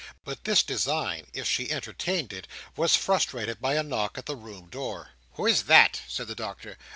But this design, if she entertained it, was frustrated by a knock at the room door. "Who is that?" said the Doctor.